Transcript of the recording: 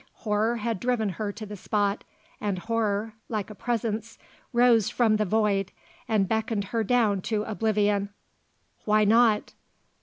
Horror had driven her to the spot, and horror, like a presence, rose from the void, and beckoned her down to oblivion. Why not?